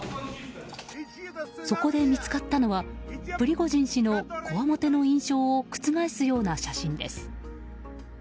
そこで見つかったのはプリゴジン氏のこわもての印象を覆すような写真です。